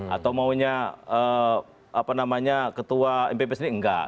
atau maunya ketua mpp sendiri enggak